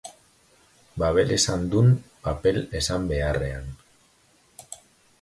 Babel esan dun papel esan beharrean.